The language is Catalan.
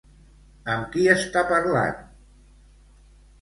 Amb qui està parlant?